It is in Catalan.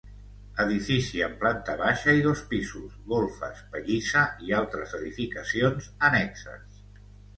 Edifici amb planta baixa i dos pisos, golfes, pallissa i altres edificacions annexes.